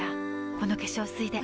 この化粧水で